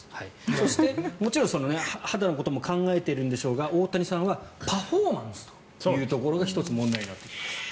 そしてもちろん肌のことも考えてるんでしょうが大谷さんはパフォーマンスというところが１つ、問題になってきます。